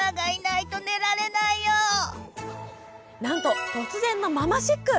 なんと突然のママシック！